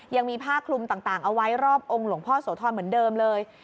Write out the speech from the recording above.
ยังมีผ้าคลุมต่างเอาไว้รอบองค์หลวงพ่อโสธรเหมือนเดิมเลย